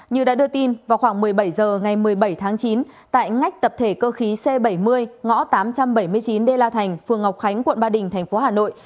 như đã đưa tin vào khoảng một mươi bảy h ngày một mươi bảy tháng chín tại ngách tập thể cơ khí c bảy mươi ngõ tám trăm bảy mươi chín đê la thành phường ngọc khánh quận ba đình thành phố hà nội